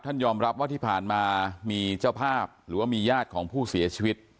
ยอมรับว่าที่ผ่านมามีเจ้าภาพหรือว่ามีญาติของผู้เสียชีวิต